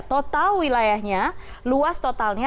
total wilayahnya luas totalnya